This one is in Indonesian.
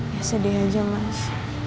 ya sedih aja mas